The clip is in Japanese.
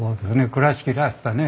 倉敷らしさね。